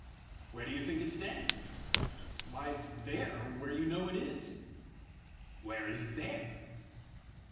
"Where do you think it stands?" "Why THERE, where you know it is!" "Where is THERE?"